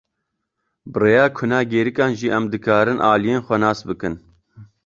Bi rêya kuna gêrîkan jî em dikarin aliyên xwe nas bikin.